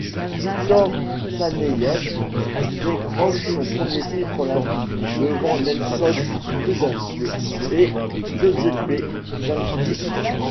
Viktor Saneyev décroche son premier titre olympique, devant Nelson Prudêncio et Giuseppe Gentile.